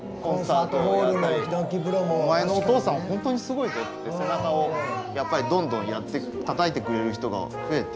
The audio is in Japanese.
お前のお父さんはほんとにすごいぞって背中をやっぱりどんどんたたいてくれる人が増えて。